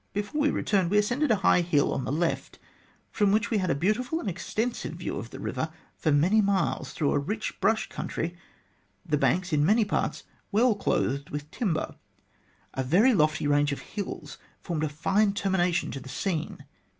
Before we returned we ascended a high hill on the left, from which we had a beautiful and extensive view of the river for many miles through a rich brush country, the banks, in many parts, well clothed with timber. A very lofty range of hills formed a fine termination to the scene.